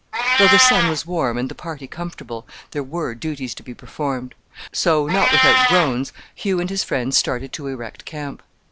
Though the sun was warm and the party comfortable, there were duties to be performed; so, not without groans, Hugh and his friends started to erect camp.